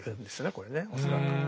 これね恐らく。